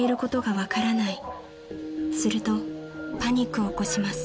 ［するとパニックを起こします］